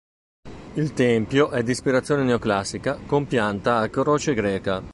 Il tempio è di ispirazione neoclassica, con pianta a croce greca.